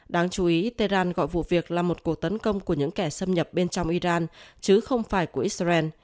đáng chú ý telen gọi vụ việc là một cuộc tấn công của những kẻ xâm nhập bên trong iran chứ không phải của israel